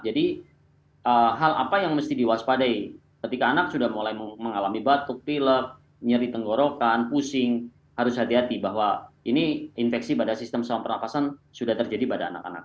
hal apa yang mesti diwaspadai ketika anak sudah mulai mengalami batuk pilek nyeri tenggorokan pusing harus hati hati bahwa ini infeksi pada sistem saluran pernafasan sudah terjadi pada anak anak